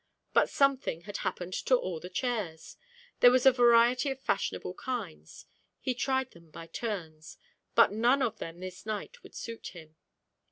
But something had happened to all the chairs, there was a variety of fashionable kinds; he tried them by turns, but none of them this night would suit him.